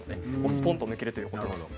ポンと抜けるということです。